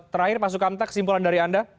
terakhir pak sukamta kesimpulan dari anda